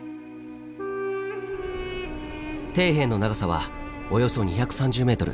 底辺の長さはおよそ２３０ｍ。